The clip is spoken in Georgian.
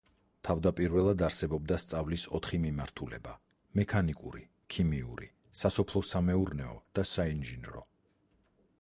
თავდაპირველად არსებობდა სწავლის ოთხი მიმართულება: მექანიკური, ქიმიური, სასოფლო-სამეურნეო და საინჟინრო.